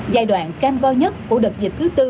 giai đoạn cam co nhất của đợt dịch thứ bốn